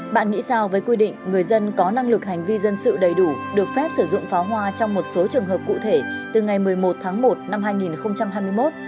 bạn nghĩ sao với quy định người dân có năng lực hành vi dân sự đầy đủ được phép sử dụng pháo hoa trong một số trường hợp cụ thể từ ngày một mươi một tháng một năm hai nghìn hai mươi một